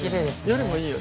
夜もいいよね。